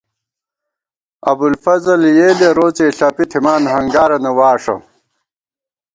ابُوالفضل یېلے روڅے، ݪَپی تھِمان، ہنگارَنہ واݭہ تئ